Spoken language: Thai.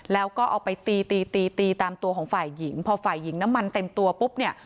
แล้วก็เอาไปตีตีตีตีตามตัวของฝ่ายหญิงพอฝ่ายหญิงน้ำมันเต็มตัวปุ๊บเนี่ย